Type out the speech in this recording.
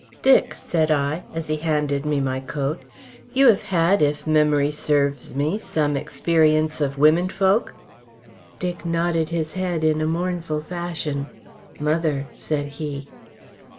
"Dick," said I as he handed me my coat, "you have had, if my memory serves me, some experience of womenfolk." Dick nodded his head in a mournful fashion. "Mother!" said he.